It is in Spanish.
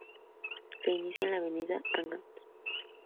Se inicia en la avenida Angamos.